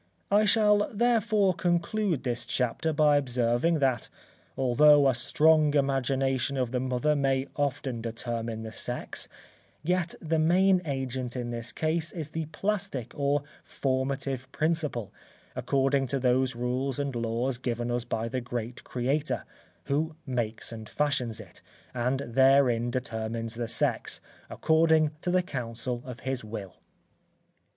I shall therefore conclude this chapter by observing that although a strong imagination of the mother may often determine the sex, yet the main agent in this case is the plastic or formative principle, according to those rules and laws given us by the great Creator, who makes and fashions it, and therein determines the sex, according to the council of his will.